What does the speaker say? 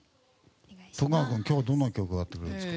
徳永君、今日はどんな曲を歌ってくれるんですか。